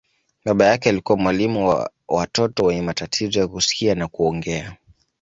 Baba yake alikuwa mwalimu wa watoto wenye matatizo ya kusikia na kuongea.